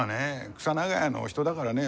クサ長屋のお人だからね